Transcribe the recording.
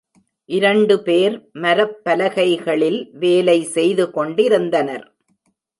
இரண்டுபேர் மரப்பலகைகளில் வேலை செய்துகொண்டிருந்தனர்.